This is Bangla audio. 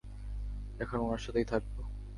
এখন উনার সাথেই থাকবো।